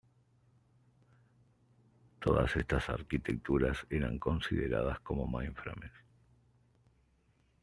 Todas estas arquitecturas eran consideradas como mainframes.